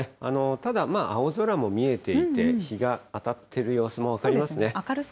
ただまあ、青空も見えていて、日が当たっている様子も分かりますね。